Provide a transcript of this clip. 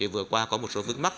vừa qua có một số vững mắt